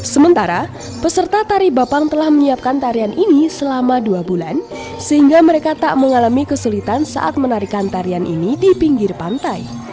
sementara peserta tari bapang telah menyiapkan tarian ini selama dua bulan sehingga mereka tak mengalami kesulitan saat menarikan tarian ini di pinggir pantai